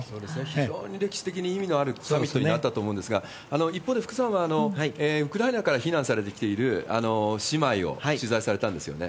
非常に歴史的に意味のあるサミットになったと思うんですが、一方で福さんは、ウクライナから避難されてきている姉妹を取材されたんですよね？